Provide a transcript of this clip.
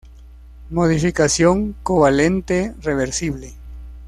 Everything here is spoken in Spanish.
Modificación covalente reversible.